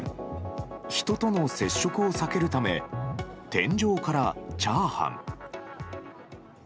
人との接触を避けるため天井からチャーハン。